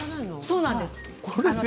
そうなんです。